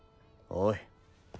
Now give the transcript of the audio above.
おい。